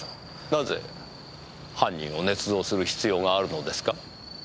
なぜ犯人をねつ造する必要があるのですか？